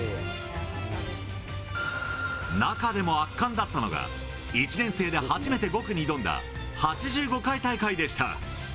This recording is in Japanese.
中でも圧巻だったのが、１年生で初めて５区に挑んだ、８５回大会でした。